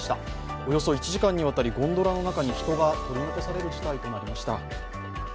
およそ１時間にわたりゴンドラの中に人が取り残される事態となりました。